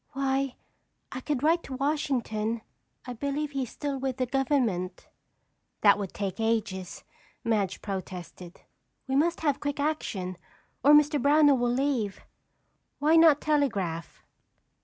"Why, I could write to Washington. I believe he's still with the government." "That would take ages," Madge protested. "We must have quick action or Mr. Brownell will leave. Why not telegraph?"